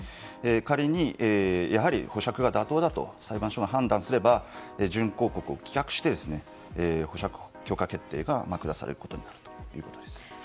仮に、保釈が妥当だと裁判所が判断すれば準抗告を棄却して保釈許可決定が下されることになるということです。